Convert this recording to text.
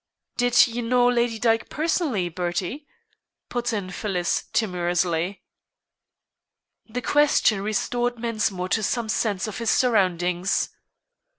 "Did you know Lady Dyke personally, Bertie?" put in Phyllis timorously. The question restored Mensmore to some sense of his surroundings.